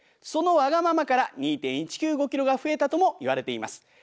そのわがままから２．１９５キロが増えたともいわれています。